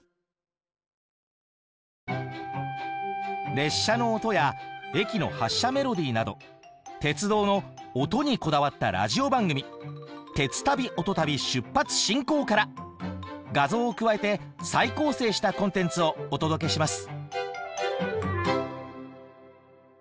列車の音や駅の発車メロディーなど「鉄道の音」にこだわったラジオ番組「鉄旅・音旅出発進行！」から画像を加えて再構成したコンテンツをお届けします